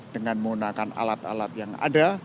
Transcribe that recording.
dengan menggunakan alat alat yang ada